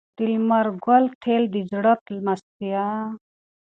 د لمر ګل تېل د زړه د سلامتیا لپاره ګټور نه دي.